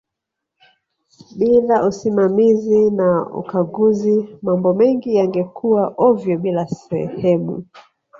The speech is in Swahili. bila usimamizi na ukaguzi mambo mengi yangekuaa ovyo kila sehemu